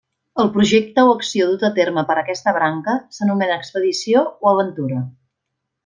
El projecte o acció dut a terme per aquesta branca s'anomena expedició o aventura.